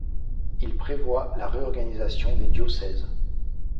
Il prévoit la réorganisation des diocèses.